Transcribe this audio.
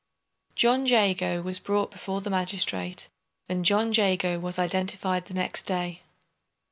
JOHN JAGO was brought before the magistrate, and John Jago was identified the next day.